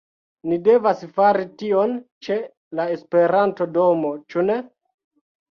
Ni devas fari tion ĉe la Esperanto-domo, ĉu ne?